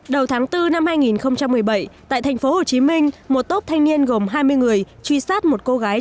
đầu tháng bốn năm hai nghìn một mươi bảy tại thành phố hồ chí minh một tốp thanh niên gồm hai mươi người truy sát một cô gái